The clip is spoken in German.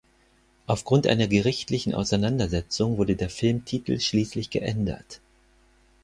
Aufgrund einer gerichtlichen Auseinandersetzung wurde der Filmtitel schließlich geändert.